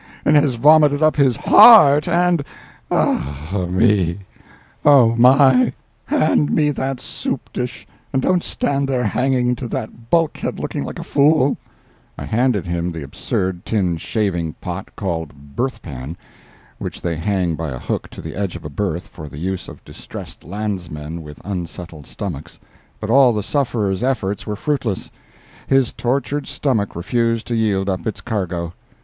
and has vomited up his heart and—ah, me—oh my! hand me that soup dish, and don't stand there hanging to that bulkhead looking like a fool!" I handed him the absurd tin shaving pot, called "berth pan," which they hang by a hook to the edge of a berth for the use of distressed landsmen with unsettled stomachs, but all the sufferer's efforts were fruitless—his tortured stomach refused to yield up its cargo.